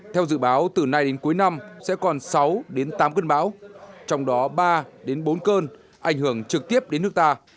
theo dự báo từ nay đến cuối năm sẽ còn sáu đến tám cơn bão trong đó ba đến bốn cơn ảnh hưởng trực tiếp đến nước ta